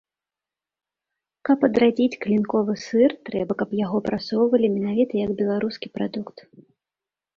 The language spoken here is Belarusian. Каб адрадзіць клінковы сыр, трэба, каб яго прасоўвалі менавіта як беларускі прадукт.